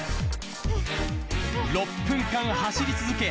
６分間走り続け